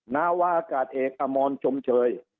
นาวาอากาศเอกอมรชมเชย